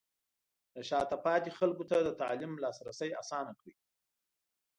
د شاته پاتې خلکو ته د تعلیم لاسرسی اسانه کړئ.